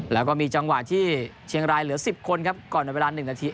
แล้วก็มีจังหวะที่เชียงรายเหลือ๑๐คนครับก่อนในเวลา๑นาที